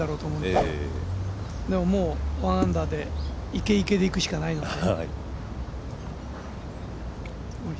でも、１アンダーで、いけいけで、いくしかないんで。